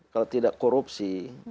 kalau tidak korupsi